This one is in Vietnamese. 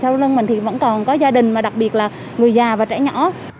sau lưng mình thì vẫn còn có gia đình mà đặc biệt là người già và trẻ nhỏ